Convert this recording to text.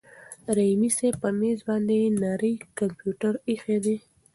رحیمي صیب په مېز باندې نری کمپیوټر ایښی و.